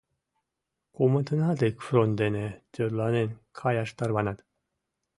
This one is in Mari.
Кумытынат ик фронт дене тӧрланен каяш тарванат.